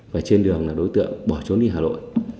và trên đường là đối tượng bỏ trốn đi hà nội